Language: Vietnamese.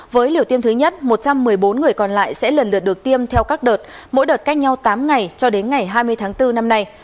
với liều tiêm thứ nhất một trăm một mươi bốn người còn lại sẽ lần lượt được tiêm theo các đợt mỗi đợt cách nhau tám ngày cho đến ngày hai mươi tháng bốn năm nay